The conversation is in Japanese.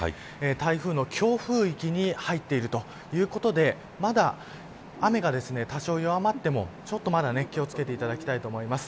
台風の強風域に入っているということでまだ、雨が多少弱まってもちょっとまだ気を付けていただきたいと思います。